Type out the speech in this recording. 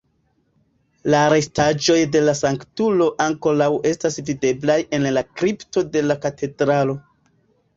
La restaĵoj de la sanktulo ankoraŭ estas videblaj en la kripto de la katedralo.